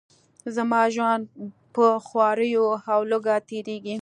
زما ژوند په خواریو او لوږه تیریږي.